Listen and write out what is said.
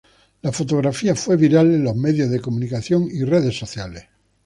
La fotografía fue viral en los medios de comunicación y redes sociales.